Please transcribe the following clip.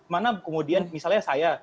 mana kemudian misalnya saya